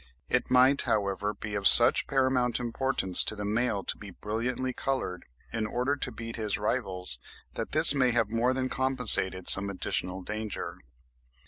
It might, however, be of such paramount importance to the male to be brilliantly coloured, in order to beat his rivals, that this may have more than compensated some additional danger.